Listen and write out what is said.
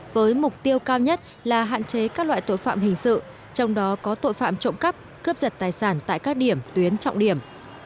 với mục tiêu cao nhất là hạn chế các loại tội phạm hình sự trong đó có tội phạm trộm cắp cướp giật tài sản tại các điểm tuyến trọng điểm